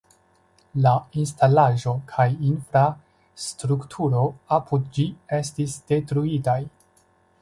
La instalaĵo kaj infrastrukturo apud ĝi estis detruitaj.